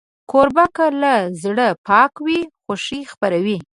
کوربه که له زړه پاک وي، خوښي خپروي.